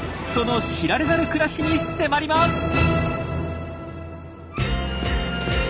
その知られざる暮らしに迫ります！